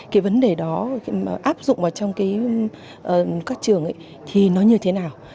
cái vấn đề đó áp dụng vào trong cái các trường thì nó như thế nào